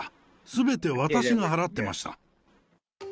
すべて私が払ってました。